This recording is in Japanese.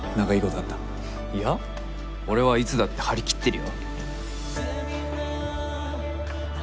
いや俺はいつだって張り切ってるよ。